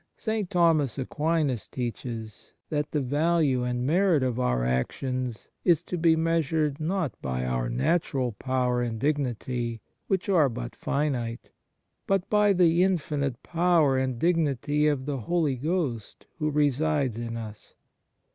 Ill THE MARVELS OF DIVINE GRACE St. Thomas Aquinas teaches that the value and merit of our actions is to be measured, not by our natural power and dignity, which are but finite, but by the infinite power and dignity of the Holy Ghost who resides in us."